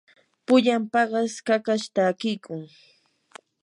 pullan paqas kakash takiykun.